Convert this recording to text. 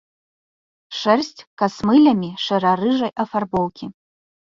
Шэрсць касмылямі шэра-рыжай афарбоўкі.